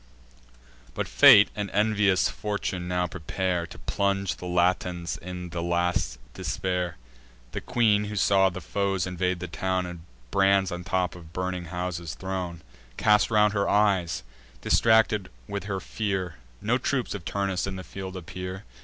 But fate and envious fortune now prepare To plunge the Latins in the last despair. The queen, who saw the foes invade the town, And brands on tops of burning houses thrown, Cast round her eyes, distracted with her fear— No troops of Turnus in the field appear.